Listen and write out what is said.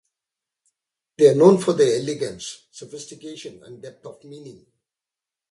They are known for their elegance, sophistication, and depth of meaning.